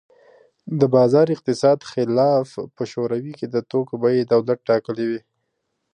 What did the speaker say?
د بازار اقتصاد خلاف په شوروي کې د توکو بیې دولت ټاکلې وې